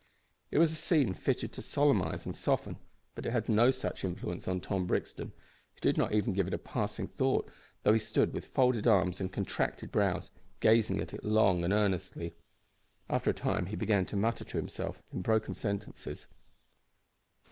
It was a scene fitted to solemnise and soften, but it had no such influence on Tom Brixton, who did not give it even a passing thought though he stood with folded arms and contracted brows, gazing at it long and earnestly. After a time he began to mutter to himself in broken sentences.